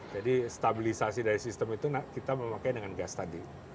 jadi stabilisasi dari sistem itu kita memakai dengan gas tadi